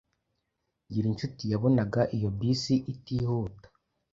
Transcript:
Ngirincuti yabonaga iyo bisi itihuta